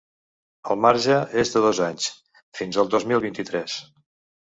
El marge és de dos anys, fins el dos mil vint-i-tres.